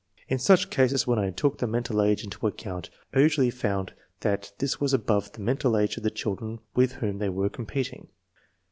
In such cases when I took the mental age into account I usually found that this was above the mental age of the children with whom they were com peting.